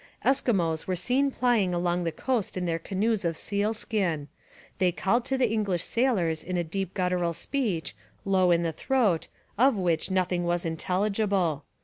Eskimos were seen plying along the coast in their canoes of seal skin. They called to the English sailors in a deep guttural speech, low in the throat, of which nothing was intelligible.